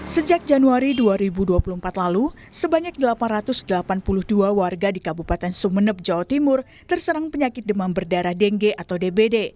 sejak januari dua ribu dua puluh empat lalu sebanyak delapan ratus delapan puluh dua warga di kabupaten sumeneb jawa timur terserang penyakit demam berdarah dengue atau dbd